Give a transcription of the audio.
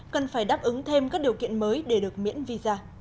cần phải đáp ứng thêm các điều kiện mới để được miễn visa